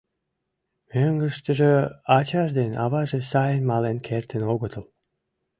Мӧҥгыштыжӧ ачаж ден аваже сайын мален кертын огытыл.